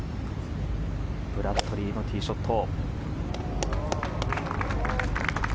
ブラッドリーのティーショット。